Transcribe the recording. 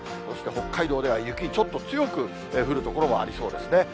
そして、北海道では雪、ちょっと強く降る所もありそうですね。